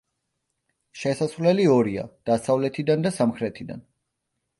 შესასვლელი ორია: დასავლეთიდან და სამხრეთიდან.